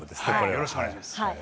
よろしくお願いします。